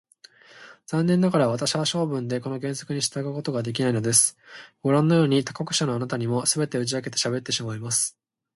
残念ながら、私は性分でこの原則に従うことができないのです。ごらんのように、他国者のあなたにも、すべて打ち明けてしゃべってしまいます。